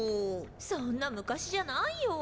そんな昔じゃないよぉ。